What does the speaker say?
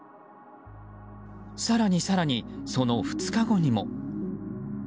更に、更にその２日後にも。